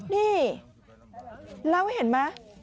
นี่แล้วเห็นไหม